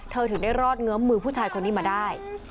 ถึงได้รอดเงื้อมมือผู้ชายคนนี้มาได้